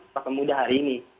tahun muda hari ini